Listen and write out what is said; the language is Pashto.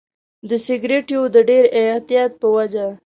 د سیګریټو د ډېر اعتیاد په وجه.